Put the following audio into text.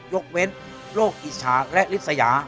ยกเว้นโรคอิจฉาและฤษยา